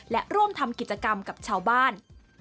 และร่วมทำกิจกรรมกับชาวบ้าน